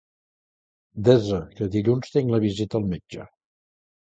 Desa que dilluns tinc la visita al metge.